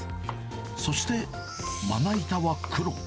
そして、まな板は黒。